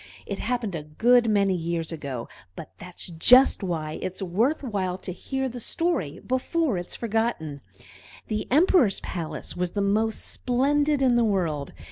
It happened a good many years ago, but that's just why it's worth while to hear the story before it is forgotten. The Emperor's palace was the most splendid in the world.